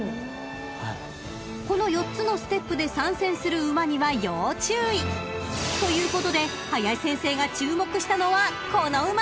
［この４つのステップで参戦する馬には要注意ということで林先生が注目したのはこの馬］